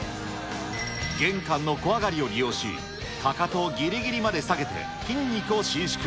玄関の小上がりを利用し、かかとをぎりぎりまで下げて筋肉を伸縮。